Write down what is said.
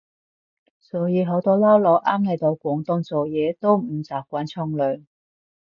所以好多撈佬啱嚟到廣東做嘢都唔習慣沖涼